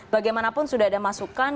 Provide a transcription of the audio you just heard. bagaimanapun sudah ada masukan